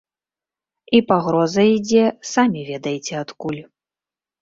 І пагроза ідзе самі ведаеце адкуль.